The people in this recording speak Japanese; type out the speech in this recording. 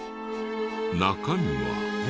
中身は。